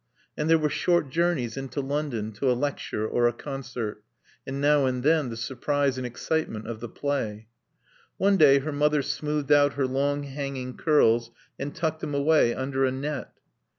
And there were short journeys into London to a lecture or a concert, and now and then the surprise and excitement of the play. One day her mother smoothed out her long, hanging curls and tucked them away under a net.